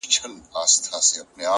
د شاعرۍ ياري كړم!!